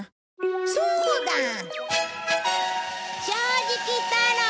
そうだ！何？